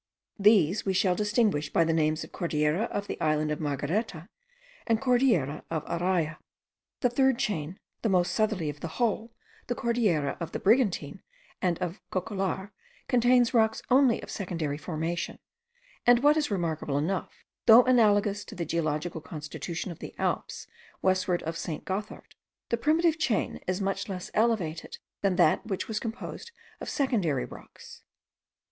These we shall distinguish by the names of Cordillera of the island of Margareta, and Cordillera of Araya. The third chain, the most southerly of the whole, the Cordillera of the Brigantine and of the Cocollar, contains rocks only of secondary formation; and, what is remarkable enough, though analogous to the geological constitution of the Alps westward of St. Gothard, the primitive chain is much less elevated than that which was composed of secondary rocks.